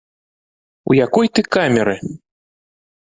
У якой ты камеры?